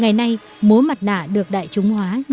ngày nay mối mặt nạ được đại chúng hoàn thành